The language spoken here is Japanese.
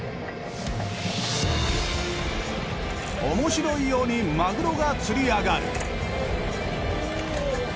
おもしろいようにマグロが釣り上がる。